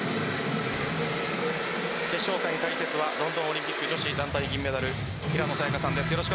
決勝戦解説はロンドンオリンピック女子団体銀メダル平野早矢香さんです。